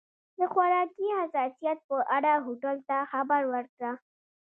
د خوراکي حساسیت په اړه هوټل ته خبر ورکړه.